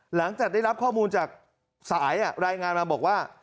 หลังจากได้รับข้อมูลจากสายรายงานมาบอกว่า